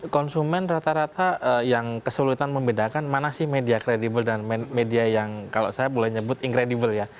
konsumen rata rata yang kesulitan membedakan mana sih media kredibel dan media yang kalau saya boleh nyebut incredibel ya